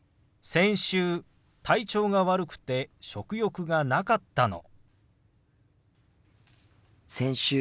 先週体調が悪くて食欲がなかったの。